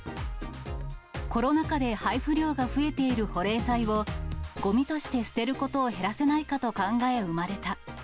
コロナ禍で配布量が増えている保冷剤を、ごみとして捨てることを減らせないかと考え生まれた。